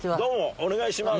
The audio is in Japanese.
お願いします。